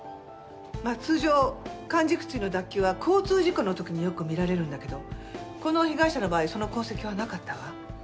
まあ通常環軸椎の脱臼は交通事故の時によく見られるんだけどこの被害者の場合その痕跡はなかったわ。